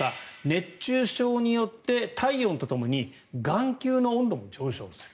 熱中症によって体温とともに眼球の温度も上昇する。